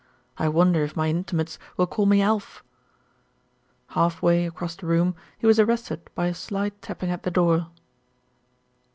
I wonder if my intimates will call me Alf." Half way across the room, he was arrested by a slight tapping at the door.